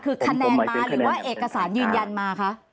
คือคะแนนมาหรือว่าเอกสารยืนยันมาคะ